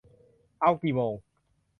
เอากี่โมง ?